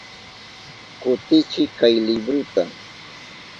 Kutichiy kay libruta.